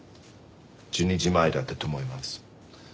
１２時前だったと思います。